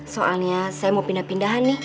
soalnya saya mau pindah pindahan nih